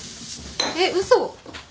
えっ嘘！